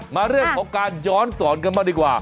มาเรื่องของการย้อนสอนกันบ้างดีกว่า